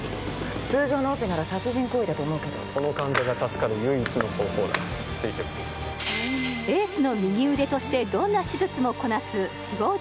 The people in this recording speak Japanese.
通常のオペなら殺人行為だと思うけどこの患者が助かる唯一の方法だついてこいエースの右腕としてどんな手術もこなす凄腕